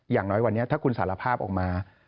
อย่างน้อยวันนี้ถ้าคุณสารภาพออกมา